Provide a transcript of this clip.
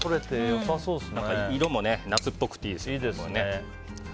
色も夏っぽくていいですよね。